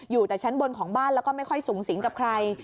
อยู่แต่ชั้นบนของบ้านแล้วก็ไม่ค่อยสูงสิงกับใคร